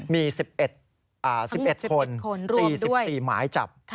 มี๑๑คนรวมด้วย๔๔หมายจับ